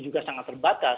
juga sangat terbatas